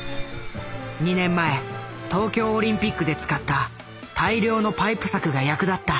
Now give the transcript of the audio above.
２年前東京オリンピックで使った大量のパイプ柵が役立った。